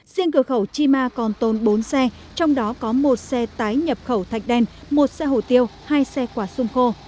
riêng cửa khẩu chima còn tồn bốn xe trong đó có một xe tái nhập khẩu thạch đen một xe hổ tiêu hai xe quả sung khô